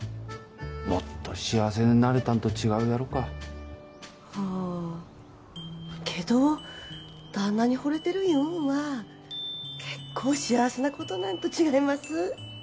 もっと幸せになれたんと違うやろか・はあけど旦那にほれてるいうんは結構幸せなことなんと違います？